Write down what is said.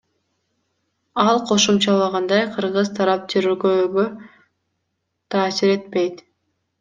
Ал кошумчалагандай, кыргыз тарап тергөөгө таасир этпейт.